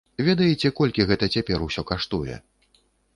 Ведаеце, колькі гэта цяпер усё каштуе?